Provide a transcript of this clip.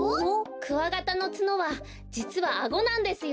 クワガタのツノはじつはアゴなんですよ。